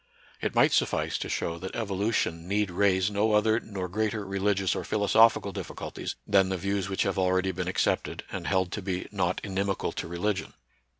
It might suffice to show that evolution need raise no other nor greater religious or philosophical difficulties than the views which have already been ac cepted, and held to be not inimical to religion.